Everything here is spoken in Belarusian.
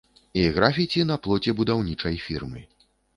І графіці на плоце будаўнічай фірмы.